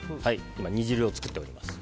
今、煮汁を作っておりました。